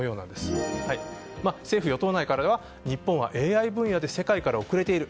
政府与党内からは日本はＡＩ分野で世界から遅れている。